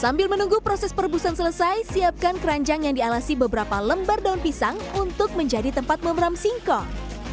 sambil menunggu proses perebusan selesai siapkan keranjang yang dialasi beberapa lembar daun pisang untuk menjadi tempat memeram singkong